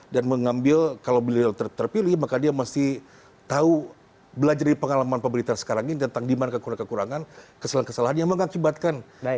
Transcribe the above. dan mengambil kalau beliau terpilih maka dia masih tahu belajar dari pengalaman pemerintah sekarang ini tentang dimana kekurangan kekurangan kesalahan kesalahan yang mengakibatkan